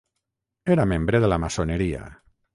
Era membre de la maçoneria.